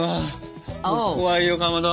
怖いよかまど。